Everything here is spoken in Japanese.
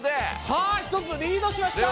さあひとつリードしました。